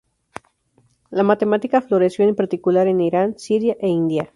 La matemática floreció en particular en Irán, Siria e India.